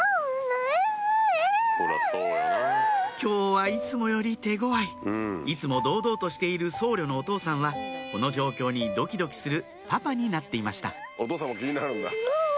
今日はいつもより手ごわいいつも堂々としている僧侶のお父さんはこの状況にドキドキするパパになっていましたお父さんも気になるんだ。